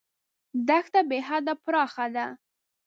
دښته بېحده پراخه ده.